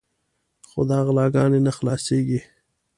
خو دا غلاګانې نه خلاصېږي.